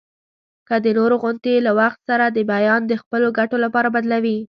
که د نورو غوندي له وخت سره د بیان د خپلو ګټو لپاره بدلوي.